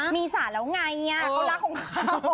มีสารแล้วไงเขารักของเขา